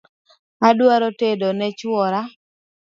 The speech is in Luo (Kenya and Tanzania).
Adwa tedo ne chwora